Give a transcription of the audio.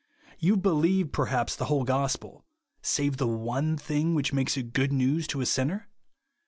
You be lieve perhaps the whole gospel, save the one thing which maks it good news to a sinner